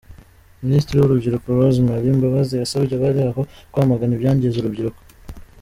Minisitiri w’Urubyiruko Rose Mary Mbabazi, yasabye abari aho kwamagana ibyangiza urubyiruko.